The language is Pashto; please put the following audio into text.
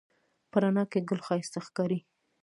په رڼا کې ګل ښایسته ښکاري